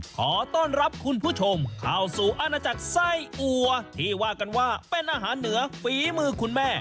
ขอต้อนรับคุณผู้ชมเข้าสู่อาณาจักรไส้อัวที่ว่ากันว่าเป็นอาหารเหนือฝีมือคุณแม่